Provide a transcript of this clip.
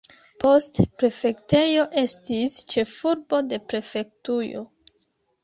Poste, prefektejo estis ĉefurbo de prefektujo.